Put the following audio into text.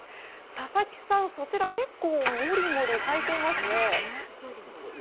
佐々木さん、そちら結構モリモリ咲いていますね。